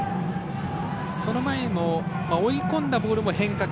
その前も追い込んだボールも変化球。